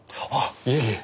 いえいえ！